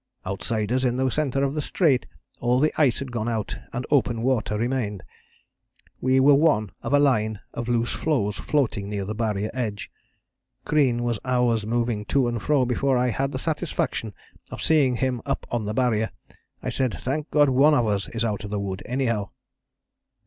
Outside us in the centre of the Strait all the ice had gone out, and open water remained. We were one of a line of loose floes floating near the Barrier edge. Crean was hours moving to and fro before I had the satisfaction of seeing him up on the Barrier. I said: 'Thank God one of us is out of the wood, anyhow.'